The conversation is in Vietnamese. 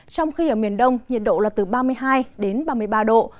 trong khi ở miền đông nhiệt độ là từ ba mươi hai đến ba mươi ba độ